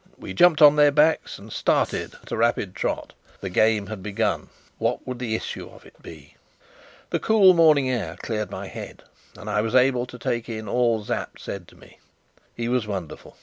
We jumped on their backs and started at a rapid trot. The game had begun. What would the issue of it be? The cool morning air cleared my head, and I was able to take in all Sapt said to me. He was wonderful.